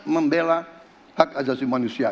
membela hak adat manusia